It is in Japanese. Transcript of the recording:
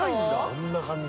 こんな感じ。